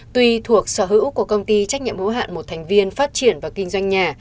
tuy thuộc sở hữu của công ty trách nhiệm hữu hạn một thành viên phát triển và kinh doanh nhà